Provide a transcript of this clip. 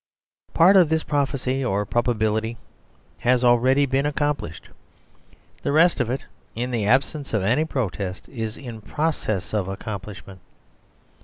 Part of this prophecy or probability has already been accomplished; the rest of it, in the absence of any protest, is in process of accomplishment.